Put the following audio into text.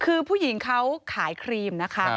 คือผู้หญิงเขาขายครีมนะคะ